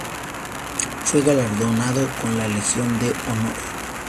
Fue galardonado con la Legión de Honor.